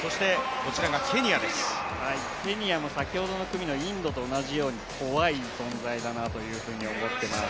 ケニアも先ほどの組のインドと同じように怖い存在だなというふうに思ってます。